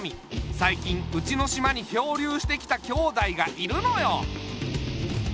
さいきんうちの島に漂流してきた兄妹がいるのよ。